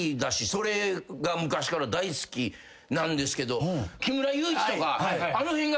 それが昔から大好きなんですけど木村祐一とかあの辺が。